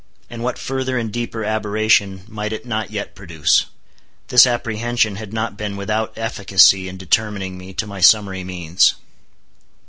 And what further and deeper aberration might it not yet produce? This apprehension had not been without efficacy in determining me to summary means.